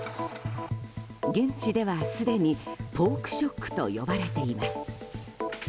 現地ではすでにポークショックと呼ばれています。